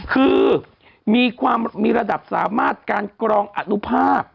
คือมีระดับสามารถการกรองอันุภาพ